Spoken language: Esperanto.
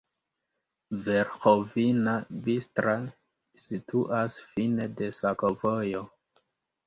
Verĥovina-Bistra situas fine de sakovojo.